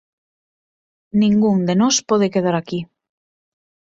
“Ningún de nós pode quedar aquí.